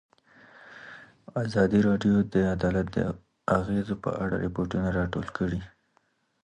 ازادي راډیو د عدالت د اغېزو په اړه ریپوټونه راغونډ کړي.